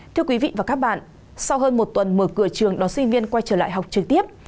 thưa quý vị và các bạn sau hơn một tuần mở cửa trường đón sinh viên quay trở lại học trực tiếp